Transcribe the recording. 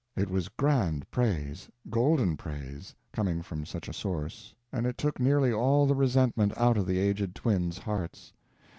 It was grand praise, golden praise, coming from such a source, and it took nearly all the resentment out of the aged twin's hearts.